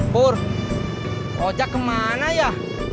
pur ojak kemana ya